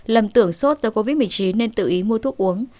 lầm tưởng sốt do covid một mươi chín nên tự ý mua thuốc uống